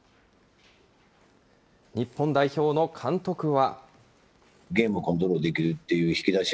日本代表の監督は。